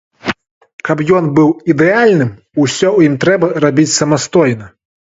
Каб ён быў ідэальным, усё ў ім трэба рабіць самастойна.